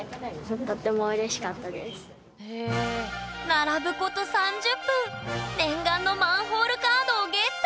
並ぶこと３０分念願のマンホールカードをゲット！